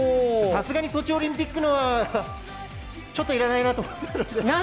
さすがにソチオリンピックのはちょっといらないなって。